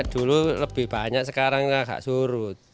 dulu lebih banyak sekarang yang agak surut